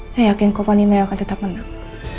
saya yakin kumpul nino yang akan tetap menang